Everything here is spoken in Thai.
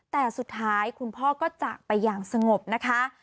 แต่สุดท้ายคุณพ่อก็จากไปอย่างสงบนะคะ